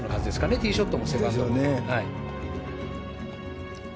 ティーショットのセカンドは。